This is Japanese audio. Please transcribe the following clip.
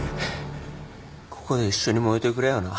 ここで一緒に燃えてくれよな。